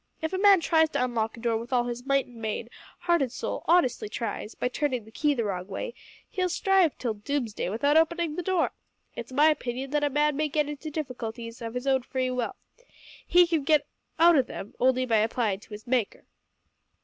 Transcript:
If a man tries to unlock a door with all his might and main, heart and soul, honestly tries, by turnin' the key the wrong way, he'll strive till doomsday without openin' the door! It's my opinion that a man may get into difficulties of his own free will. He can get out of them only by applyin' to his Maker."